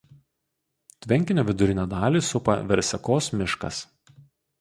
Tvenkinio vidurinę dalį supa Versekos miškas.